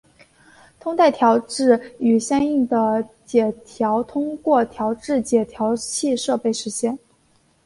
通带调制与相应的解调通过调制解调器设备实现。